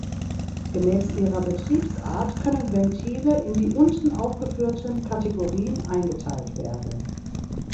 Gemäß ihrer Betriebsart können Ventile in die unten aufgeführten Kategorien eingeteilt werden.